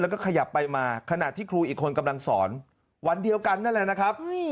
แล้วก็ขยับไปมาขณะที่ครูอีกคนกำลังสอนวันเดียวกันนั่นแหละนะครับ